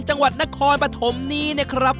จังหวัดนครปฐมนี้นะครับ